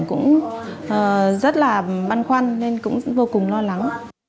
cũng rất là băn khoăn nên cũng vô cùng lo lắng